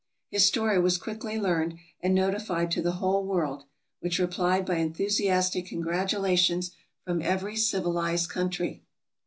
His story was quickly learned and notified to the whole world, which replied by enthusiastic congratula tions from every civilized country.